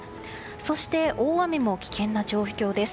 そして、大雨も危険な状況です。